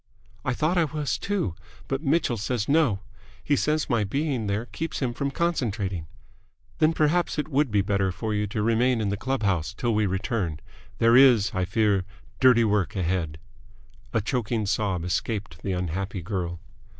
"I thought I was, too. But Mitchell says no. He says my being there keeps him from concentrating." "Then perhaps it would be better for you to remain in the club house till we return. There is, I fear, dirty work ahead." A choking sob escaped the unhappy girl.